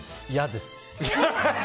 いやです。